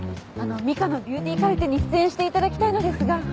あの『ミカのビューティーカルテ』に出演していただきたいのですが。